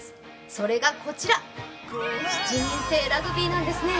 それがこちら７人制ラグビーなんですね。